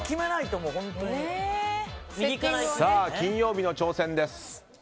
金曜日の挑戦です。